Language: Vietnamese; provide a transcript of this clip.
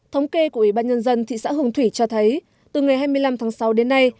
thống kê của ủy ban nhân dân thị xã hương thủy cho thấy từ ngày hai mươi năm tháng sáu đến nay